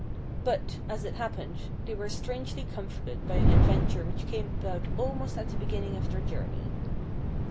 But, as it happened, they were strangely comforted by an adventure which came about almost at the beginning of their journey.